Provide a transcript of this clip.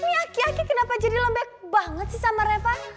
ini aki aki kenapa jadi lembek banget sih sama reva